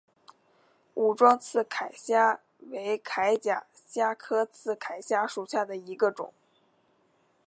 武装刺铠虾为铠甲虾科刺铠虾属下的一个种。